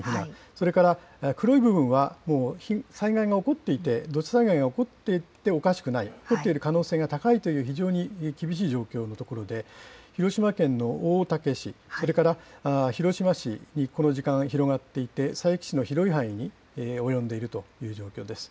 それから黒い部分は、もう災害が起こっていて、土砂災害が起こっていておかしくない、起こっている可能性が高いという、非常に厳しい状況の所で、広島県の大竹市、それから広島市にこの時間、広がっていて、佐伯市の広い範囲に及んでいるという状況です。